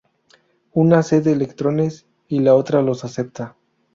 Una cede electrones y la otra los acepta.